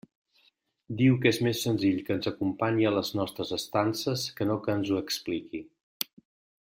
Diu que és més senzill que ens acompanyi a les nostres estances que no que ens ho expliqui.